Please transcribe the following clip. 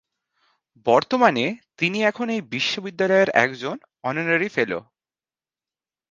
বর্তমানে তিনি এখন এই বিশ্ববিদ্যালয়ের একজন অনারারি ফেলো।